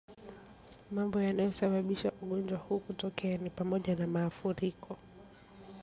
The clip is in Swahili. Mambo yanayosababisha ugonjwa huu kutokea ni pamoja na maafuriko